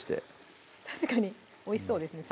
確かにおいしそうですね